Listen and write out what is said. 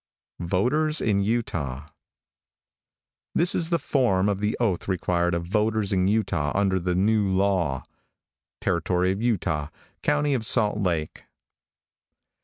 '" VOTERS IN UTAH. |THIS is the form of the oath required of voters in Utah under the new law: Territory of Utah, County of Salt Lake.